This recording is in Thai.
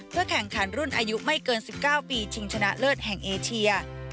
แข่งขันรุ่นอายุไม่เกิน๑๙ปีชิงชนะเลิศแห่งเอเชีย